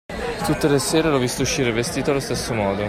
Tutte le sere l’ho visto uscire vestito allo stesso modo.